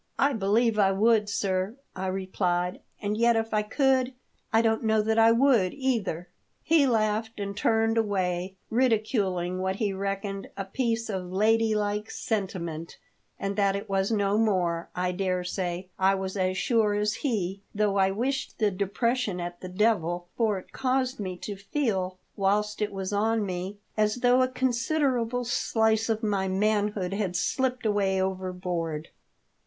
"I believe I would, sir," I replied; "and yet if I could, I don't know that I would, either." He laughed and turned away, ridiculing what he reckoned a piece of lady like senti ment ; and that it was no more, I daresay I was as sure as he, though I wished the depression at the devil, for it caused me to feel, whilst it was on me, as though a con siderable slice of my manhood had slipped away overboard.